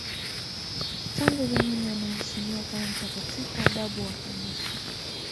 Tangu zamani anaheshimiwa kama mtakatifu na babu wa Kanisa.